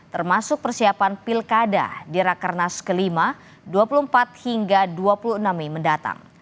termasuk persiapan pilkada di rakernas ke lima dua puluh empat hingga dua puluh enam mei mendatang